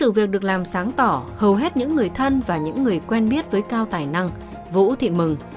việc được làm sáng tỏ hầu hết những người thân và những người quen biết với cao tài năng vũ thị mừng